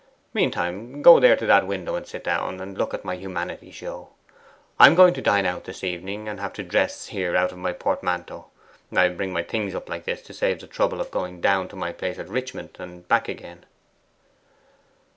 Meantime, go there to that window and sit down, and look at my Humanity Show. I am going to dine out this evening, and have to dress here out of my portmanteau. I bring up my things like this to save the trouble of going down to my place at Richmond and back again.